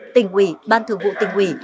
tỉnh ủy ban thường vụ tỉnh ủy